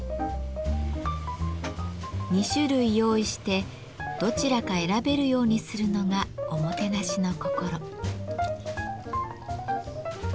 ２種類用意してどちらか選べるようにするのがおもてなしの心。